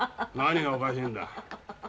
何がおかしいんだ？